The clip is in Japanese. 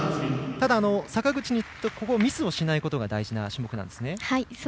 ただ、坂口にとってはミスをしないことが大事な種目ですね。